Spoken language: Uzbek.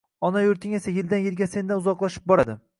Ona yurting esa yildan-yilga sendan uzoqlashib bordi